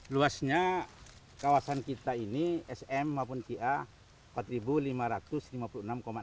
luasnya kawasan kita ini sm maupun kia empat lima ratus lima puluh enam tujuh